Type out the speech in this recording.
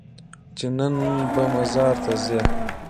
چې نن به مزار ته ځې؟